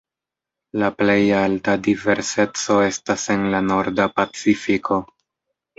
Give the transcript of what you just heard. La plej alta diverseco estas en la Norda Pacifiko.